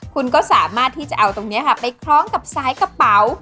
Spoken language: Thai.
คุณก็สามารถที่จะเอาตรงนี้ค่ะไปคล้องกับสายกระเป๋า